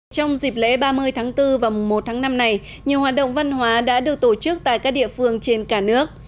trong dịp lễ ba mươi tháng bốn và mùa một tháng năm này nhiều hoạt động văn hóa đã được tổ chức tại các địa phương trên cả nước